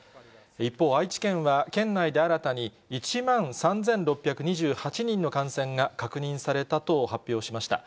一方、愛知県は県内で新たに、１万３６２８人の感染が確認されたと発表しました。